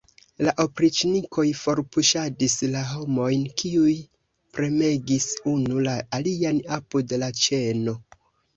La opriĉnikoj forpuŝadis la homojn, kiuj premegis unu la alian apud la ĉeno.